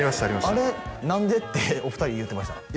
あれ何で？ってお二人言ってました